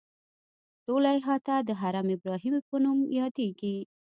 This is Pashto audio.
ټوله احاطه د حرم ابراهیمي په نوم یادیږي.